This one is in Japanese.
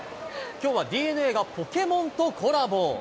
きょうはＤｅＮＡがポケモンとコラボ。